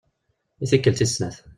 I tikkelt tis snat.